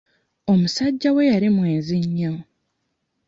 Omusajja we yali mwenzi nnyo.